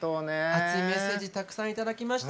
熱いメッセージたくさん頂きました。